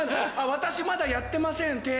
私まだやってません手。